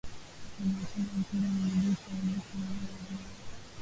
wanaocheza mpira wa miguu kaika klabu za Ulaya